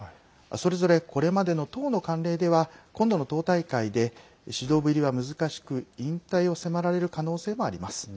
それぞれこれまでの党の慣例では今度の党大会で指導部入りは難しく引退を迫られる可能性もあります。